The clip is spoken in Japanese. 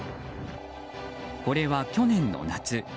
これは去年の夏